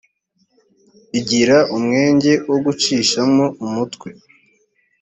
igira umwenge wo gucishamo umutwe